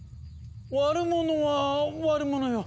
悪者は悪者よ。